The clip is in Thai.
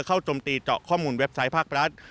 จมตีเจาะข้อมูลเว็บไซต์ภาครัฐ